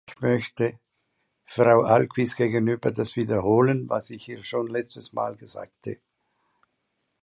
Ich möchte Frau Ahlqvist gegenüber das wiederholen, was ich ihr schon letztes Mal sagte.